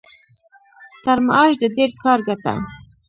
تر معاش د ډېر کار ګټه.